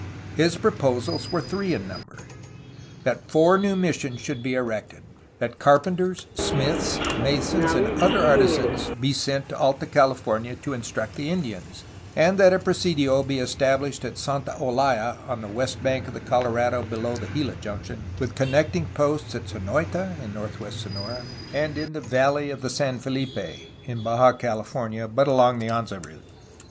His proposals were three in number: that four new missions should be erected; that carpenters, smiths, masons, and other artisans be sent to Alta California to instruct the Indians; and that a presidio be estabhshed at Santa Olaya (on the west bank of the Colorado, below the Gila junction), with connecting posts at Sonoita (in northwestern Sonora) and in the valley of the San FeHpe (in Baja CaUfornia, but along the Anza route).